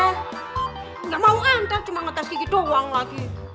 nggak mau antar cuma ngetes kiki doang lagi